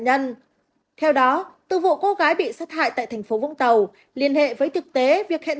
vũng tàu theo đó từ vụ cô gái bị sát hại tại thành phố vũng tàu liên hệ với thực tế việc hẹn